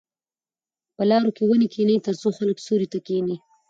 په لارو کې ونې کېنئ ترڅو خلک سیوري ته کښېني.